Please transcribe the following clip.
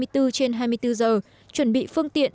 trên hai mươi bốn giờ chuẩn bị phương tiện